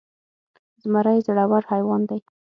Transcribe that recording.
زمری زړور حيوان دی.